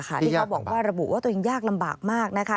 ที่เขาบอกว่าระบุว่าตัวเองยากลำบากมากนะคะ